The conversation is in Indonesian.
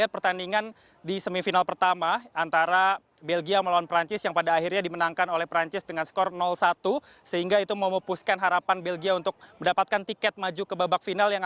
pertandingan semifinal pertama antara belgia dan perancis telah masuk ke babak semifinal